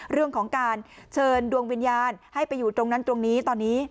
เรื่องของการเชิญดวงวิญญาณให้ไปอยู่ตรงนั้นตรงนี้ตอนนี้